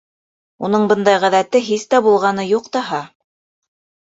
Уның бындай ғәҙәте һис тә булғаны юҡ таһа.